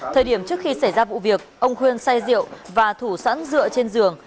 thời điểm trước khi xảy ra vụ việc ông huyên say rượu và thủ sẵn rượu trên giường